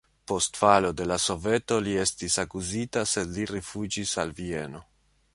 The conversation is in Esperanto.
Post falo de la Soveto li estis akuzita, sed li rifuĝis al Vieno.